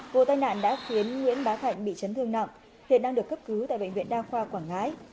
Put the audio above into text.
vụ tai nạn đã khiến nguyễn bá hạnh bị chấn thương nặng hiện đang được cấp cứu tại bệnh viện đa khoa quảng ngãi